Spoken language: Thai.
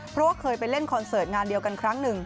เพราะว่าเคยไปเล่นคอนเสิร์ตงานเดียวกันครั้งหนึ่ง